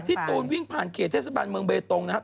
ตูนวิ่งผ่านเขตเทศบาลเมืองเบตงนะครับ